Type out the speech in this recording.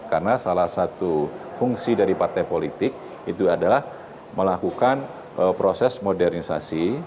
karena salah satu fungsi dari partai politik itu adalah melakukan proses modernisasi